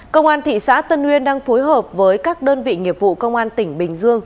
công an thị xã tân uyên đang phối hợp với các đơn vị nghiệp vụ công an tỉnh bình dương